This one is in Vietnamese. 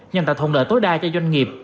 nhằm tạo thông lợi tối đa cho doanh nghiệp